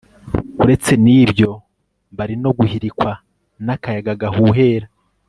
uretse n'ibyo, bari no guhirikwa n'akayaga gahuhera